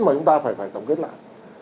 mà chúng ta phải tổng kết lại